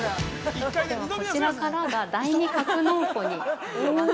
◆では、こちらからが第２格納庫になります。